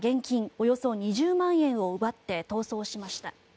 およそ２０万円を奪って逃走しました。